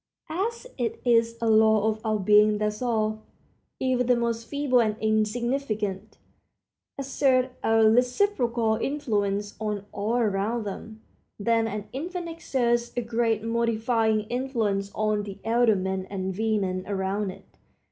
As it is a law of our being that all, even the most feeble and insignificant, exert a reciprocal influence on all around them, then an infant exerts a great modifying influence on the elder men and women around it.